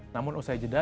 namun usai jeda